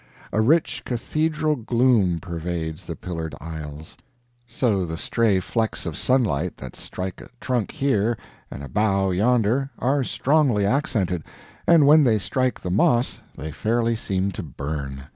A rich cathedral gloom pervades the pillared aisles; so the stray flecks of sunlight that strike a trunk here and a bough yonder are strongly accented, and when they strike the moss they fairly seem to burn.